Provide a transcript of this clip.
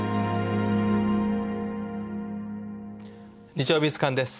「日曜美術館」です。